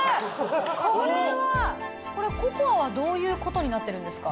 これはこれココアはどういうことになってるんですか？